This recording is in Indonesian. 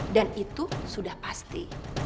dan itu sudah pasti